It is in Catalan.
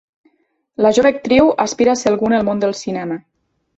La jove actriu aspira a ser algú en el món del cinema.